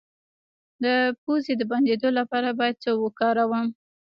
د پوزې د بندیدو لپاره باید څه وکاروم؟